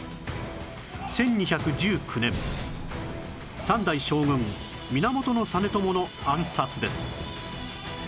１２１９年三代将軍源実朝の暗殺です